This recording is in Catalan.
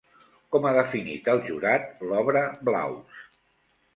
Com ha definit el jurat l'obra Blaus?